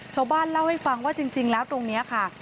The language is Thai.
ชาวบ้านเล่าให้ฟังว่าจริงแล้วตรงนี้ค่ะ